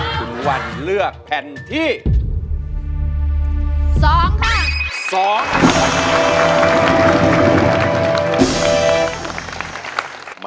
สู้ครับ